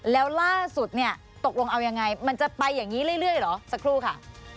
แล้วล่าสุดเนี่ยตกลงเอายังไงมันจะไปอย่างนี้เรื่อยเหรอสักครู่ค่ะ